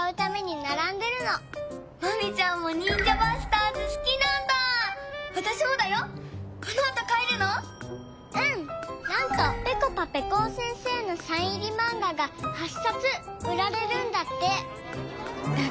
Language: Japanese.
なんかぺこぱぺこお先生のサイン入りマンガが８さつうられるんだって。